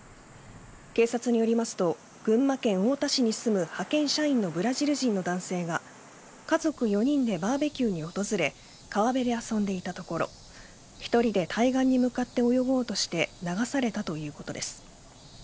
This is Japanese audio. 警察によりますと群馬県太田市に住む派遣社員のブラジル人の男性が家族４人でバーベキューに訪れ川辺で遊んでいたところ１人で対岸に向かって泳ごうとして流されたということです。